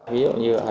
ví dụ như